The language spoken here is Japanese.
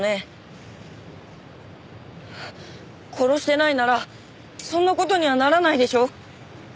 殺してないならそんな事にはならないでしょ！？